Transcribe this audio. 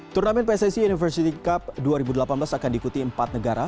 turnamen pssi university cup dua ribu delapan belas akan diikuti empat negara